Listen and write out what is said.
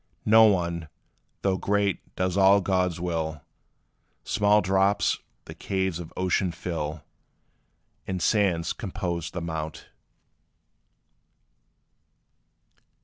No one, though great, does all God's will Small drops the caves of ocean fill; And sands compose the mount.